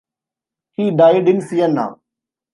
He died in Siena.